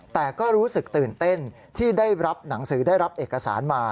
แต่ก็รู้สึกตื่นเต้นที่ได้รับหนังสือได้รับเอกสารมา